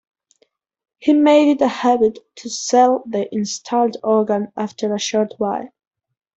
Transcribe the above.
He made it a habit to sell the installed organ after a short while.